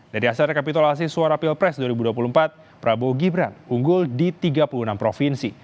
dari hasil rekapitulasi suara pilpres dua ribu dua puluh empat prabowo gibran unggul di tiga puluh enam provinsi